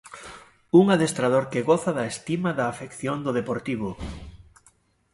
Un adestrador que goza da estima da afección do Deportivo.